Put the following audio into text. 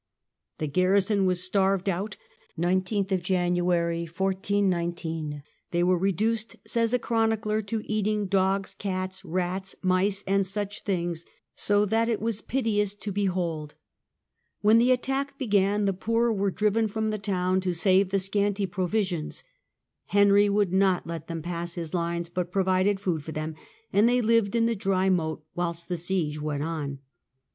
The garrison was starved forced to ^^, capitulate, out. They wcre reduced, says a chronicler, "to eating 1419 dogs, cats, rats, mice and such things, so that it was HISTORY OF FRANCE, 1380 1453 213 piteous to behold". When the attack began the poor were driven from the town to save the scanty provisions. Henry would not let them pass his lines, but provided food for them, and they Hved in the dry moat whilst the siege went on.